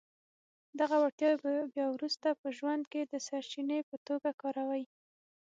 دغه وړتياوې بيا وروسته په ژوند کې د سرچینې په توګه کاروئ.